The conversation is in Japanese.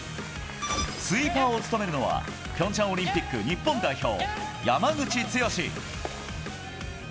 スイーパーを務めるのはピョンチャンオリンピック日本代表、山口剛史。